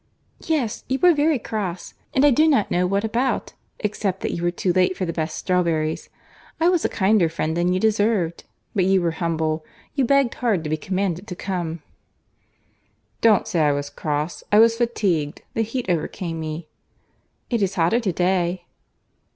"Yes, you were very cross; and I do not know what about, except that you were too late for the best strawberries. I was a kinder friend than you deserved. But you were humble. You begged hard to be commanded to come." "Don't say I was cross. I was fatigued. The heat overcame me." "It is hotter to day."